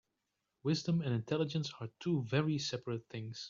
Wisdom and intelligence are two very seperate things.